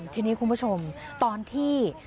ทีนี้คุณผู้ชมตอนที่